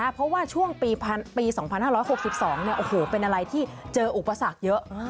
เพราะว่าช่วงปี๒๕๖๒เป็นอะไรที่เจออุปสรรคเยอะ